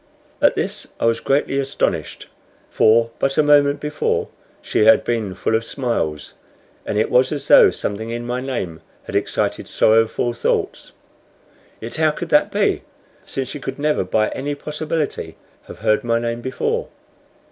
At this I was greatly astonished; for but a moment before she had been full of smiles, and it was as though something in my name had excited sorrowful thoughts. Yet how could that be, since she could never by any possibility have heard my name before?